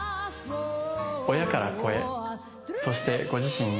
親から子へそしてご自身に。